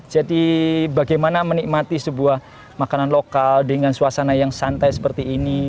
jadi bagaimana menikmati sebuah makanan lokal dengan suasana yang santai seperti ini